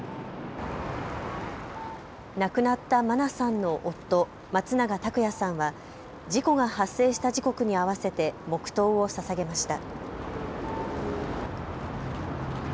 亡くなった真菜さんの夫、松永拓也さんは事故が発生した時刻に合わせて黙とうをささげました。